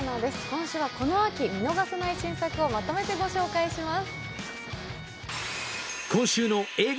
今週はこの秋見逃せない新作をまとめてご紹介します。